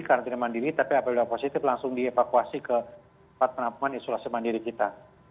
karr tina mandiri dapatial positive langsung dievakuasi ke empat penampungan isolasi mandiri kita